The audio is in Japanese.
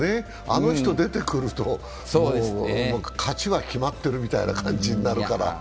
あの人が出てくると勝ちが決まってるみたいになるから。